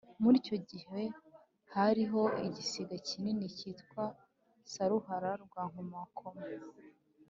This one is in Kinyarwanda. Muri icyo gihe hariho igisiga kinini kikitwa Saruhara rwa Nkomokomo.